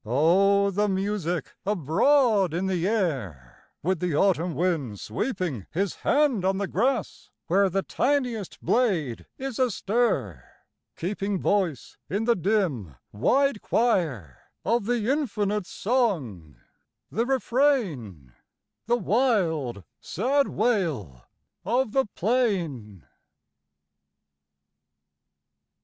O the music abroad in the air, With the autumn wind sweeping His hand on the grass, where The tiniest blade is astir, keeping Voice in the dim, wide choir, Of the infinite song, the refrain, The wild, sad wail of the plain